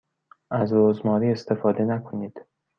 از رزماری استفاده نکنید.